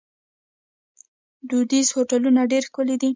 دودیز هوټلونه ډیر ښکلي دي.